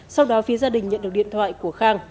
sau đó phía gia đình nhận được điện thoại của khang